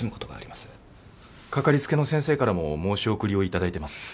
かかりつけの先生からも申し送りを頂いてます。